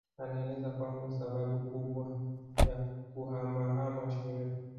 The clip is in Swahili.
Anaeleza kwamba sababu kubwa ya kuhamahama shule